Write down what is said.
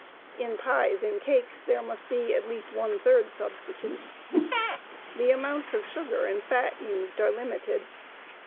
In pies and cakes there must be at least one third substitute. The amounts of sugar and fat used are limited.